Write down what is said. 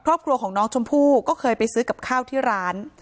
ครอบครัวของน้องชมพู่ก็เคยไปซื้อกับข้าวที่ร้าน